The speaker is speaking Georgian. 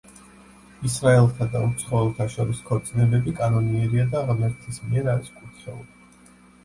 ისრაელთა და უცხოელთა შორის ქორწინებები კანონიერია და ღმერთის მიერ არის კურთხეული.